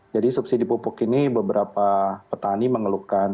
jadi subsidi pupuk ini beberapa petani mengeluhkan